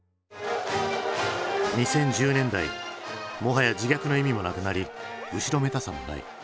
２０１０年代もはや自虐の意味もなくなり後ろめたさもない。